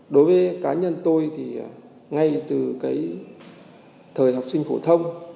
đối với cá nhân tôi thì ngay từ cái thời học sinh phổ thông